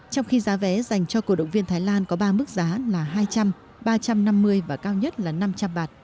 trong khi giá vé dành cho cổ động viên thái lan có ba mức giá là hai trăm linh ba trăm năm mươi và cao nhất là năm trăm linh bạt